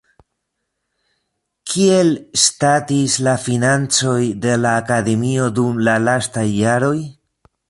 Kiel statis la financoj de la Akademio dum la lastaj jaroj?